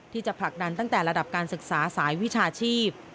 ที่จะผลักดันตั้งแต่ระดับการศึกษาสายวิชาชีพ